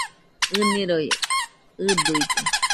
ɨniroi ɨduide